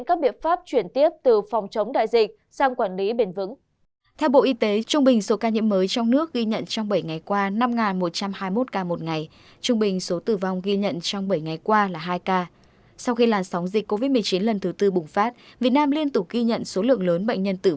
các bạn hãy đăng ký kênh để ủng hộ kênh của chúng mình nhé